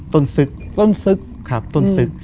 ต้นซึกต้นซึกครับต้นซึก